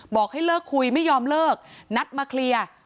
บอกให้เลิกคุยไม่ยอมเลิกนัดมาเคลียร์